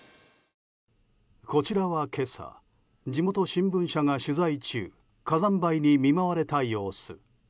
こちらは今朝、地元新聞社が取材中火山灰に見舞われた様子。